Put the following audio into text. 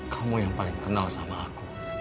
kamu yang paling kenal sama aku